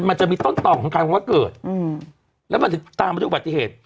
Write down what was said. มันจะมีต้นต่อของใครว่าเกิดอืมแล้วมันถึงตามมาด้วยอุบัติเหตุ